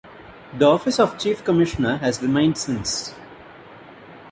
The office of Chief Commissioner has remained since.